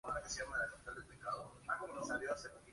La catedral de Tulancingo, dedicada a San Juan Bautista, es su sede.